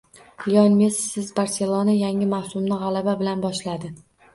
Lionel Messisiz “Barselona” yangi mavsumni g‘alaba bilan boshladi